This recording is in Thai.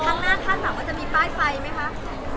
ข้างหน้าข้างสามจะมีป้ายไฟไหมคะ